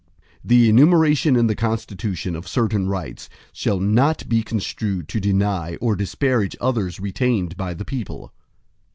IX The enumeration in the Constitution, of certain rights, shall not be construed to deny or disparage others retained by the people.